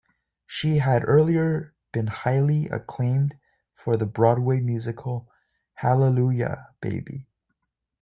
She had earlier been highly acclaimed for the Broadway musical Hallelujah, Baby!